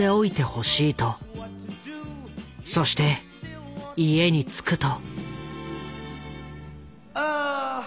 そして家に着くと。